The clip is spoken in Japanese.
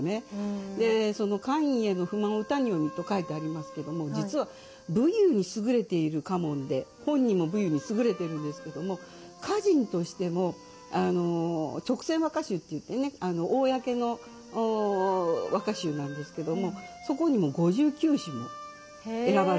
その「官位への不満を歌に詠む」と書いてありますけども実は武勇に優れている家門で本人も武勇に優れているんですけども歌人としても勅撰和歌集といってね公の和歌集なんですけどもそこにも５９首も選ばれていて。